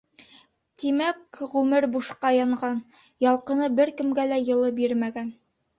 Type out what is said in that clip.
Тимәк, ғүмер бушҡа янған, ялҡыны бер кемгә лә йылы бирмәгән.